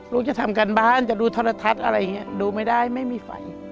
ลูกจะทำการบ้านจะดูทรทัศน์อะไรอย่างนี้ดูไม่ได้ไม่มีไฟ